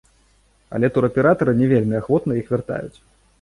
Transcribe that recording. Але тураператары не вельмі ахвотна іх вяртаюць.